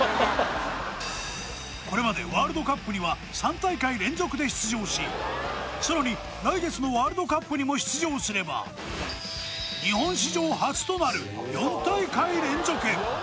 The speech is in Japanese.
これまでワールドカップには３大会連続で出場しさらに来月のワールドカップにも出場すれば日本史上初となる４大会連続